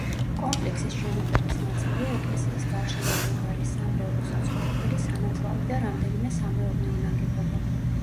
კომპლექსის შენობების ნაწილია ეკლესიის გარშემო მდებარე სამრევლო საცხოვრებელი, სანათლავი და რამდენიმე სამეურნეო ნაგებობა.